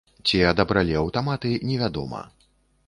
Ці адабралі аўтаматы, невядома.